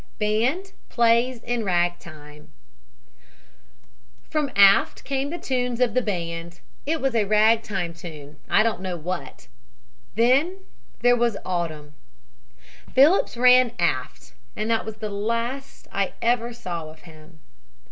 BAND PLAYS IN RAG TIME "From aft came the tunes of the band. It was a rag time tune, I don't know what. Then there was 'Autumn.' Phillips ran aft and that was the last I ever saw of him.